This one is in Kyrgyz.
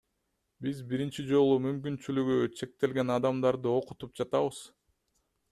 Биз биринчи жолу мүмкүнчүлүгү чектелген адамдарды окутуп жатабыз.